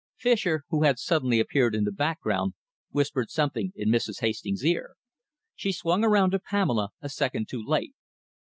Fischer, who had suddenly appeared in the background, whispered something in Mrs. Hastings' ear. She swung around to Pamela, a second too late.